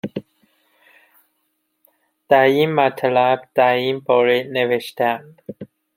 در این مطلب در این باره نوشتهام